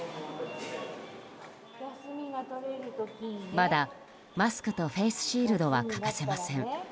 まだマスクとフェースシールドは欠かせません。